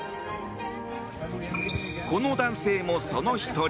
この男性も、その１人。